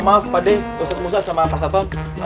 maaf pak deh ustadz musa sama pak satwa